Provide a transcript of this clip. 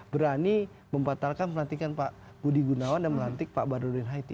berani membatalkan melantikan pak budi gunawan dan melantik pak badrodin haiti